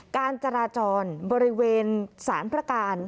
การจราจรบริเวณสารพระการ